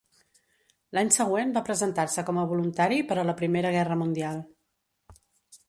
L'any següent va presentar-se com a voluntari per a la primera guerra mundial.